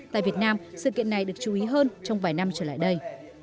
tại việt nam sự kiện này được chú ý hơn trong vài năm trở lại đây